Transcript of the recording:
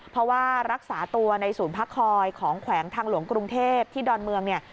เพราะว่ารักษาตัวในศูนย์พักคอยของแขวงทางหลวงกรุงเทพที่ดอนเมืองเนี่ย